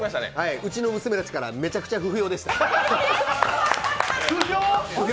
うちの娘たちから、むちゃくちゃ不評でした。